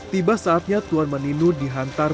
tiba saatnya tuan maninu dihantar